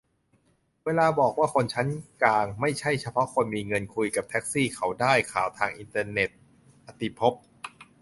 "เวลาบอกว่าคนชั้นกลาง ไม่ใช่เฉพาะคนมีเงิน คุยกับแท็กซี่ เขาได้ข่าวทางอินเทอร์เน็ต" - อติภพ